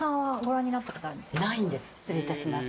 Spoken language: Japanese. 失礼いたします。